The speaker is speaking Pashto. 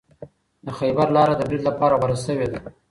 د خیبر لاره د برید لپاره غوره شوې ده.